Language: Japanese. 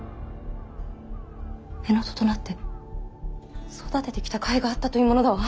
乳母父となって育ててきた甲斐があったというものだわ。